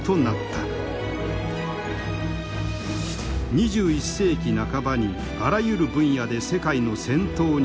「２１世紀半ばにあらゆる分野で世界の先頭に立つ」。